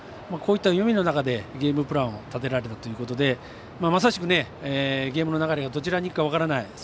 こういった中でゲームプランを立てられたということでまさしくゲームの流れがどちらにいくか分からない